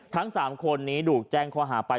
ทั้ง๓คนนี้ดูกแจ้งความห่าไป